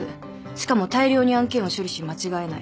しかも大量に案件を処理し間違えない。